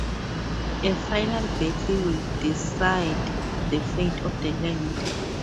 A final battle will decide the fate of the land.